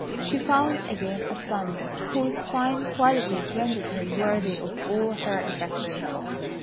She found again a son whose fine qualities rendered him worthy of all her affection.